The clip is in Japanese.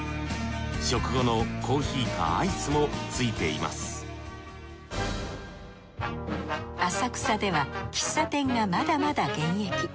食後のコーヒーかアイスも付いています浅草では喫茶店がまだまだ現役。